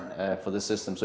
di negara seperti amerika